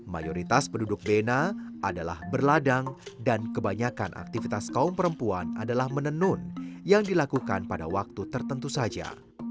mayoritas penduduk bena adalah berladang dan kebanyakan aktivitas kaum perempuan adalah menenun yang dilakukan pada waktu tertentu saja